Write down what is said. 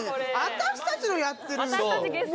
私たちのやってるんですよ。